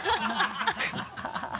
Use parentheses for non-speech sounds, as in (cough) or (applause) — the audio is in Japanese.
ハハハ (laughs)